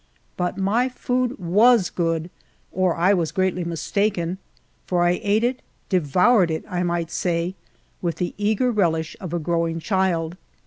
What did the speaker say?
But my food toas good, or I was greatly mistaken, for I ate it — devoured it, I might say, with the eager relish of a grow ing child.